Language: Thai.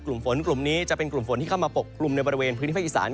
กลุ่มฝนกลุ่มนี้จะเป็นกลุ่มฝนที่เข้ามาปกกลุ่มในบริเวณพื้นที่ภาคอีสาน